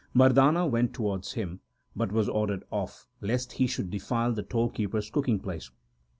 Mardana went towards him, but was ordered off, lest he should defile the toll keeper s cooking place.